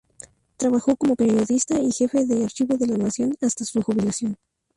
Trabajó como periodista y jefe de archivo de "La Nación" hasta su jubilación.